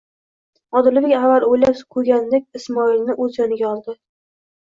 Odilbek avval o'ylab ko'yganidek Ismoilni o'z yoniga oldi.